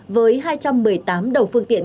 với hai trăm một mươi tám đầu phương tiện